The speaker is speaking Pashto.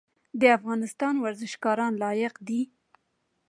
د افغانستان ورزشکاران لایق دي